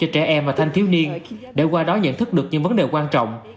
cho trẻ em và thanh thiếu niên để qua đó nhận thức được những vấn đề quan trọng